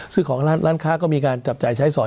ซึ่งของร้านค้าก็มีการจับจ่ายใช้สอย